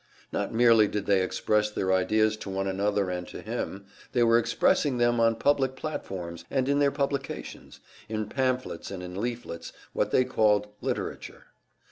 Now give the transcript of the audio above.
Not merely did they express their ideas to one another and to him, they were expressing them on public platforms, and in their publications, in pamphlets and in leaflets what they called "literature."